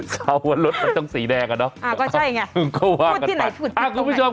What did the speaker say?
เสาวนรถมันต้องสีแดงอ่ะเนาะอ่าก็ใช่ไงพูดที่ไหนพูดที่ต้องไหน